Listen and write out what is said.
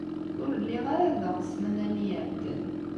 Ur lliɣ ara da ssmana-nni iɛeddan.